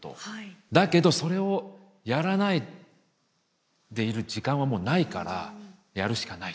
だけどそれをやらないでいる時間はもうないからやるしかないっていう。